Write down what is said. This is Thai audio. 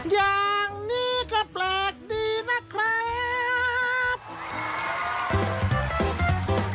อย่างนี้ก็แปลกดีนะครับ